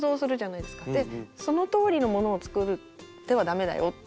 でそのとおりのものを作ってはダメだよっていう。